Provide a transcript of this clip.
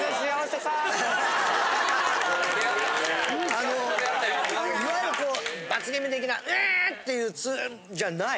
・あのいわゆるこう罰ゲーム的な「んん！」っていうツンじゃない。